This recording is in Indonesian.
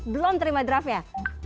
belum terima draftnya